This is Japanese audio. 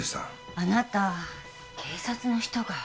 あなた警察の人が